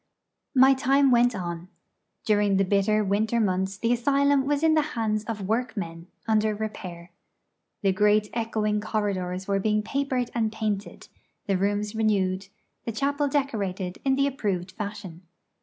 My time went on. During the bitter winter months the asylum was in the hands of workmen, under repair. The great echoing corridors were being papered and painted, the rooms renewed, the chapel decorated in the approved fashion.